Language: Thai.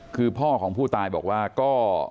คือพ่อของผู้ตายบอกว่าก็